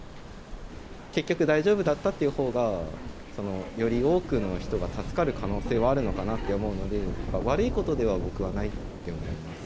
結局大丈夫だったっていうほうが、より多くの人が助かる可能性はあるのかなと思うので、悪いことでは、僕はないって思います。